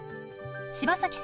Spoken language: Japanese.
柴崎さん